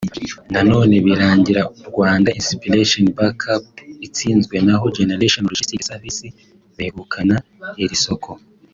na none birangira Rwanda Inspiration Back Up itsinzwe naho General Logistic Services begukana iri soko